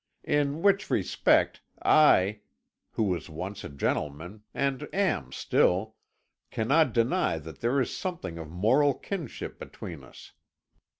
In which respect I, who was once a gentleman, and am still, cannot deny that there is something of moral kinship between us.